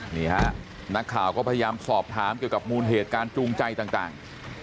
นี่ฮะนักข่าวก็พยายามสอบถามเกี่ยวกับมูลเหตุการณ์จูงใจต่าง